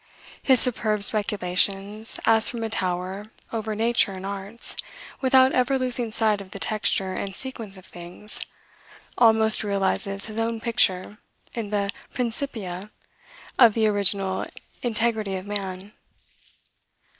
His superb speculations, as from a tower, over nature and arts, without ever losing sight of the texture and sequence of things, almost realizes his own picture, in the "Principia," of the original integrity of man.